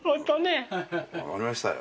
分かりましたよ。